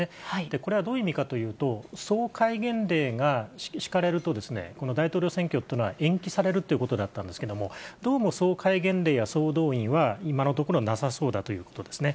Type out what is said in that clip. これはどういう意味かというと、総戒厳令が敷かれると、この大統領選挙っていうのは延期されるっていうことだったんですけども、どうも総戒厳令や総動員は、今のところはなさそうだということですね。